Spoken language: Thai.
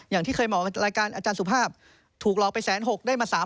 อย่างที่เคยบอกรายการอาจารย์สุภาพถูกหลอกไป๑๖๐๐ได้มา๓๐๐